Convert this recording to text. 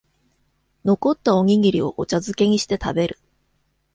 残ったおにぎりをお茶づけにして食べる